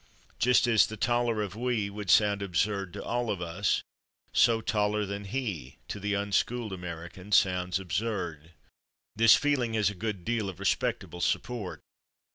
Just as "the taller of /we/" would sound absurd to all of us, so "taller than /he/," to the unschooled American, sounds absurd. This feeling has a good deal of respectable support.